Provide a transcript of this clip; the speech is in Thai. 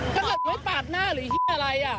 ถ้าเกิดไม่ปาดหน้าหรืออะไรอ่ะ